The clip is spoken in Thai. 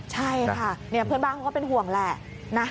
ใช่ค่ะเพื่อนบ้านเขาก็เป็นห่วงแหละนะ